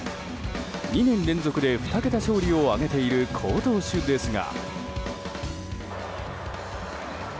２年連続で２桁勝利を挙げている好投手ですが。